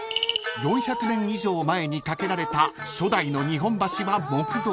［４００年以上前に架けられた初代の日本橋は木造］